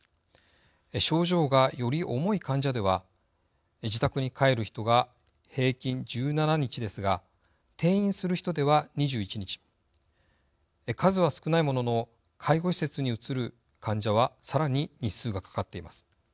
症状がより重い患者では自宅に帰る人が平均１７日ですが転院する人では２１日数は少ないものの介護施設に移る患者はさらに日数がかかっています。